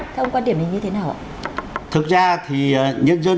theo ông quan điểm này như thế nào ạ